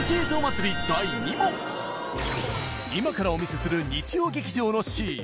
今からお見せする日曜劇場のシーン